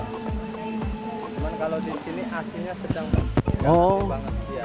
cuma kalau di sini asinnya sedang banget